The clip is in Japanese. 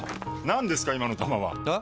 何ですか今の球は！え？